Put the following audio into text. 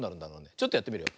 ちょっとやってみるよ。